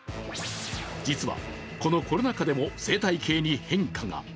実はこのコロナ禍でも生態系に変化が。